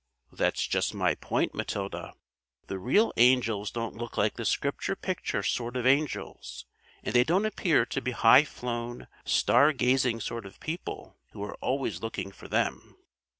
"That's just my point, Matilda. The real angels don't look like the Scripture picture sort of angels; and they don't appear to the high flown, star gazing sort of people who are always looking for them."